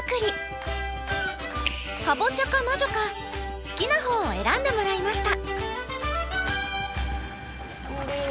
かぼちゃかまじょか好きな方を選んでもらいました。